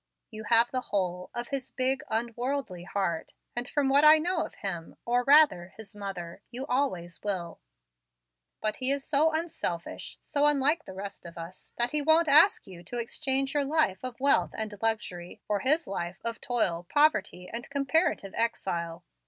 You have the whole of his big, unworldly heart, and from what I know of him, or, rather, his mother, you always will; but he is so unselfish so unlike the rest of us that he won't ask you to exchange your life of wealth and luxury for his life of toil, poverty, and comparative exile.